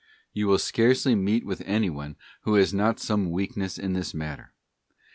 You will scarcely meet with anyone who has not some weakness in this matter.